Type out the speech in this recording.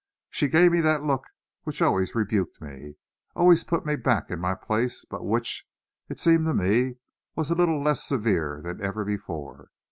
She gave me that look which always rebuked me always put me back in my place but which, it seemed to me, was a little less severe than ever before.